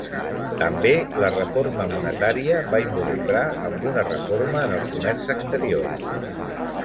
També la reforma monetària va involucrar amb una reforma en el comerç exterior.